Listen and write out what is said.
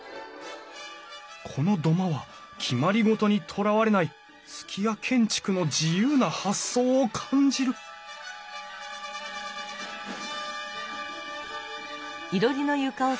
この土間は決まり事にとらわれない数寄屋建築の自由な発想を感じるうん？